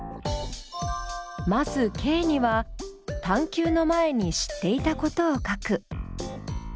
まずＫには探究の前に知っていたことを書く。